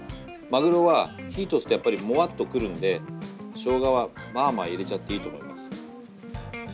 まぐろは火通すとやっぱりモワっとくるんでしょうがはまあまあ入れちゃっていいと思います。